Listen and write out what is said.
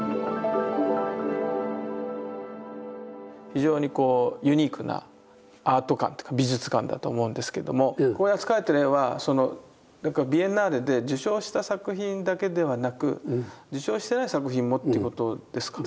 非常にこうユニークなアート館というか美術館だと思うんですけどもここで扱われてる絵はビエンナーレで受賞した作品だけではなく受賞してない作品もってことですか？